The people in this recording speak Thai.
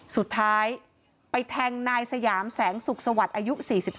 สุดท้ายไปแทงนายสยามแสงสุขสวัสดิ์อายุ๔๒